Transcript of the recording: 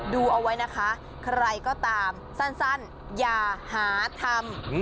ดูเอาไว้นะคะใครก็ตามสั้นอย่าหาทำ